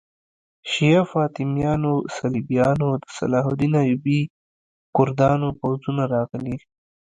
شیعه فاطمیانو، صلیبیانو، د صلاح الدین ایوبي کردانو پوځونه راغلي.